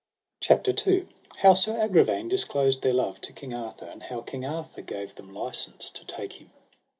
CHAPTER II. How Sir Agravaine disclosed their love to King Arthur, and how King Arthur gave them licence to take him.